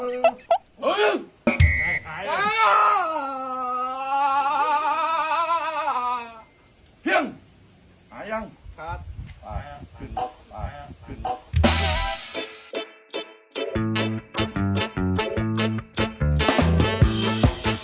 โอ้น้ำมะพุทัศน์